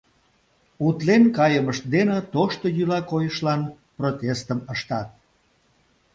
Утлен кайымышт дене тошто йӱла-койышлан протестым ыштат.